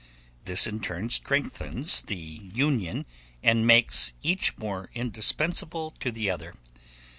This in turn strengthens the union and makes each more indispensable to the other.